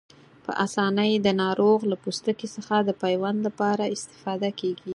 په آسانۍ د ناروغ له پوستکي څخه د پیوند لپاره استفاده کېږي.